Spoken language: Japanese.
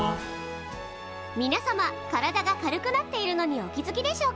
みなさま体が軽くなっているのにお気付きでしょうか？